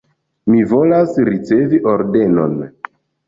Mi volas ricevi ordenon.